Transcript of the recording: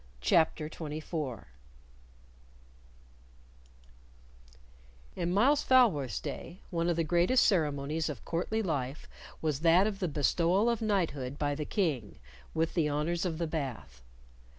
CHAPTER 24 In Myles Falworth's day one of the greatest ceremonies of courtly life was that of the bestowal of knighthood by the King, with the honors of the Bath.